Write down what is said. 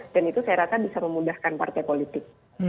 dan itu saya rasa bisa memudahkan partai politik